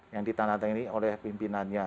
yang ditandatangani oleh pimpinannya